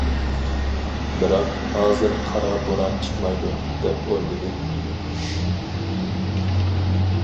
بىراق، ھازىر قارا بوران چىقمايدۇ، دەپ ئويلىدى.